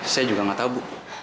saya juga nggak tahu bu